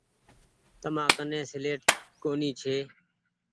تمآ ڪني سيليٽ ڪونيٚ ڇي۔